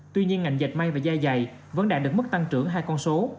tuy nhiên ngành dệt may và da dày vẫn đạt được mức tăng trưởng hai con số